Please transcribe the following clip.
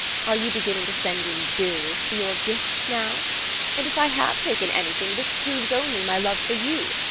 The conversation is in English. Are you beginning to send in bills for your gifts now? And if I have taken anything, this proves only my love for you.